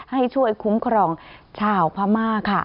ให้ช่วยคุ้มครองชาวพม่าค่ะ